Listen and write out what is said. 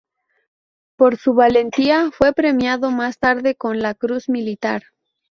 Por su valentía fue premiado más tarde con la "Cruz Militar".